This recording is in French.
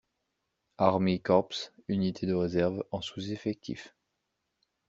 Armeekorps, unité de réserve en sous-effectif.